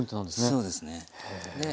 そうですね。